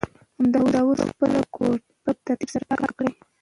همدا اوس خپله کوټه په ترتیب سره پاکه کړه.